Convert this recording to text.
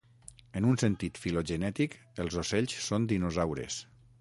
En un sentit filogenètic, els ocells són dinosaures.